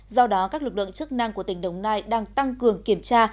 do đó các lực lượng chức năng của tỉnh đồng nai đang tăng cường kiểm tra